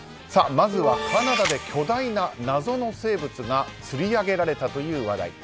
まずはカナダで巨大な謎の生物が釣り上げられたという話題。